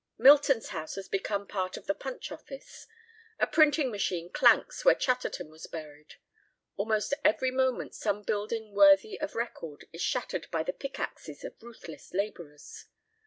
Milton's house has become part of the Punch office. A printing machine clanks where Chatterton was buried. Almost every moment some building worthy of record is shattered by the pickaxes of ruthless labourers.